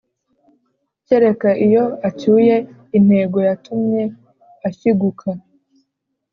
kereka iyo acyuye intego yatumye ashyiguka